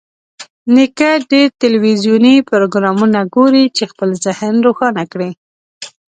نیکه ډېر تلویزیوني پروګرامونه ګوري چې خپل ذهن روښانه کړي.